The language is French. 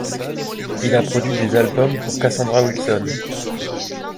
Il a produit des albums pour Cassandra Wilson.